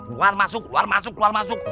luar masuk luar masuk luar masuk